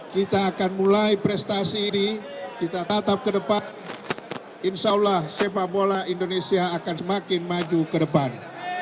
kita akan mulai prestasi ini kita tatap ke depan insya allah sepak bola indonesia akan semakin maju ke depan